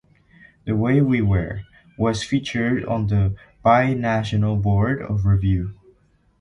"The Way We Were" was featured on the by National Board of Review.